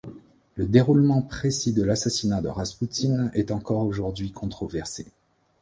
Le déroulement précis de l'assassinat de Raspoutine est encore aujourd'hui controversé.